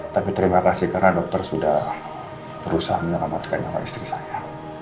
tapi terima kasih karena dokter sudah berusaha menyelamatkan nyawa istri saya